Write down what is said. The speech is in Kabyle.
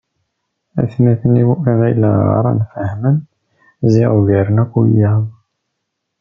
Atmaten-iw i ɣileɣ ɣran fehmen ziɣ ugaren akk wiyaḍ.